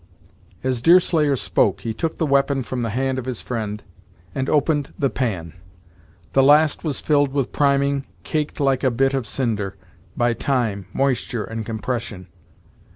As Deerslayer spoke, he took the weapon from the hand of his friend and opened the pan. The last was filled with priming, caked like a bit of cinder, by time, moisture and compression.